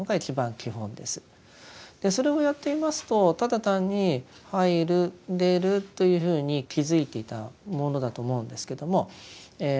それをやっていますとただ単に入る出るというふうに気付いていたものだと思うんですけどもある瞬間にですね